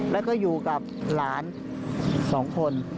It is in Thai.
แล้วก็อยู่กับหลาน๒คน